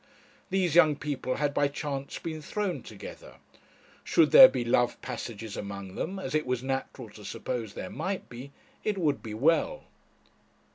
These young people had by chance been thrown together. Should there be love passages among them, as it was natural to suppose there might be, it would be well.